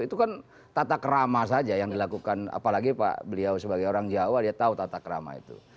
itu kan tata kerama saja yang dilakukan apalagi pak beliau sebagai orang jawa dia tahu tatak rama itu